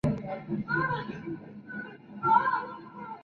Otros miembros de la familia reciben el mismo nombre.